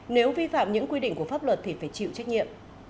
nếu vi phạm những quy định của pháp luật thì phải chịu trách nhiệm